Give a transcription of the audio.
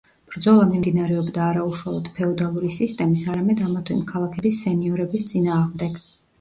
ბრძოლა მიმდინარეობდა არა უშალოდ ფეოდალური სისტემის, არამედ ამა თუ იმ ქალაქების სენიორების წინააღმდეგ.